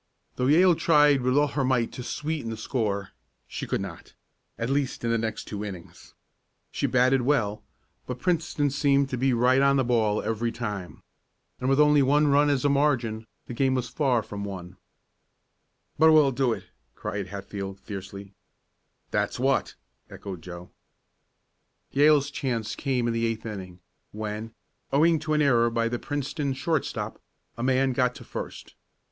Though Yale tried with all her might to sweeten the score, she could not at least in the next two innings. She batted well, but Princeton seemed to be right on the ball every time. And with only one run as a margin, the game was far from won. "But we'll do it!" cried Hatfield, fiercely. "That's what!" echoed Joe. Yale's chance came in the eighth inning, when, owing to an error by the Princeton shortstop, a man got to first.